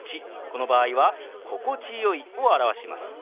この場合は「心地よい」を表します。